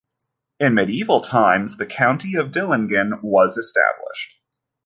In medieval times the county of Dillingen was established.